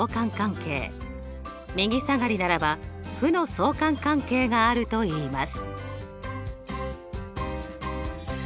右下がりならば負の相関関係があるといいます。